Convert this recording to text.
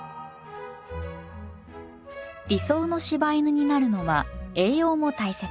理想の柴犬になるのは栄養も大切。